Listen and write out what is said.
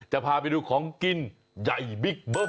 จะพาไปดูของกินใหญ่บิ๊กเบิ้ม